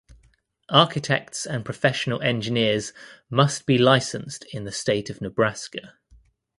Architects and professional engineers must be licensed in the state of Nebraska.